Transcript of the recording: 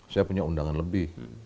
saya punya undangan lebih